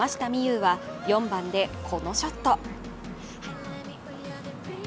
有は４番でこのショット。